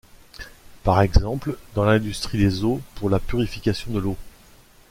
Par exemple, dans l'industrie des eaux pour la purification de l'eau.